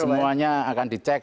semuanya akan dicek